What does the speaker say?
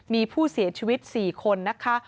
มีผู้เสียชีวิต๔คนนะคะ